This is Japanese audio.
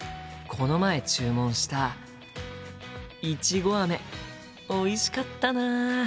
この前注文したいちごあめおいしかったな。